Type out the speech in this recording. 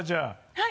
はい。